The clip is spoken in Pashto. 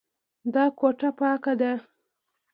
دا کوټه پاکه ده.